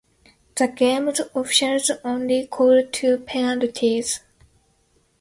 The game's officials only call two penalties.